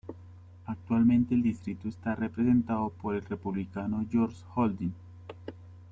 Actualmente el distrito está representado por el Republicano George Holding.